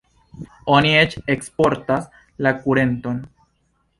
Oni eĉ eksportas la kurenton.